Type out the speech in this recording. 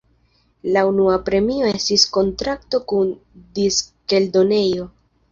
La unua premio estis kontrakto kun diskeldonejo.